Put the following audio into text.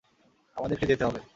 আমাদেরকে যেতে হবে।